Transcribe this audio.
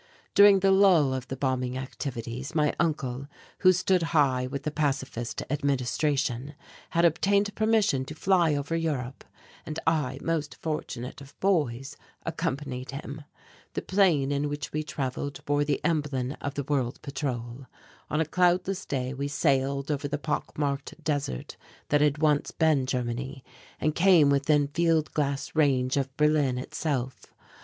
During the lull of the bombing activities my uncle, who stood high with the Pacifist Administration, had obtained permission to fly over Europe, and I, most fortunate of boys, accompanied him. The plane in which we travelled bore the emblem of the World Patrol. On a cloudless day we sailed over the pock marked desert that had once been Germany and came within field glass range of Berlin itself.